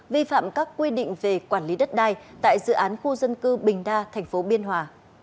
vi phạm các quy định về quản lý đất đai tại dự án khu dân cư bình đa thành phố biên hòa